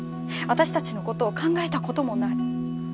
私たちの事を考えた事もない。